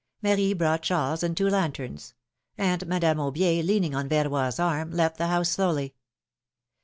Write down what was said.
^^ Marie brought shawls and two lanterns ; and Madame Aubier, leaning on Verroy's arm, left the house slowly.